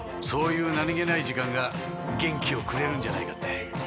そういう何げない時間が元気をくれるんじゃないかって。